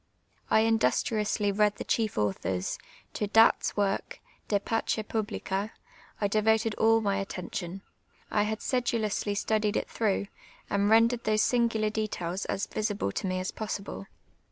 I industriously read tlie chief authors ; to Datt's work, I)e Vacp Piihlica, I devoted all my attintion ; I had si'duloiLsly studied it throuu^h, and rendered those sing^ar details as visible to me as possible.